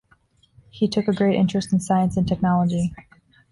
He took a great interest in science and technology.